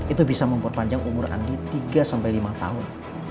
itu bisa memperpanjang umur andi tiga sampai lima tahun